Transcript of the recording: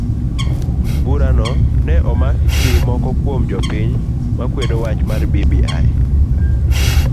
Burano ne omak gi moko kuom jopiny ma kwedo wach mar bbi.